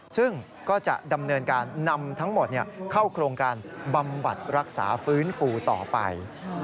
ซึ่งก็จะดำเนินการนำทั้งหมดเข้าโครงการบำบัดรักษาฟื้นฟูต่อไป